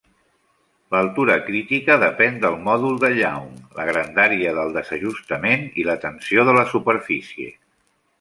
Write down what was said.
L'altura crítica depèn del mòdul de Young, la grandària del desajustament i la tensió de la superfície.